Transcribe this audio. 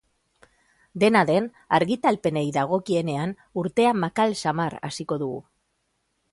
Dena den, argitalpenei dagokienean, urtea makal samar hasiko dugu.